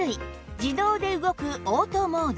自動で動くオートモード